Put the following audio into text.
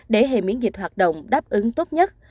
để hệ miễn dịch hoạt động đáp ứng tốt nhất